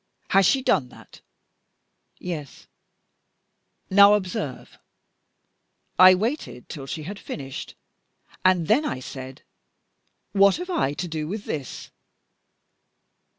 Has she done that?" "Yes." "Now observe! I waited till she had finished, and then I said, 'What have I to do with this?